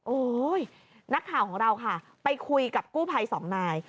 โอ้โหนักข่าวของเราค่ะไปคุยกับกู้ภัยสองนาย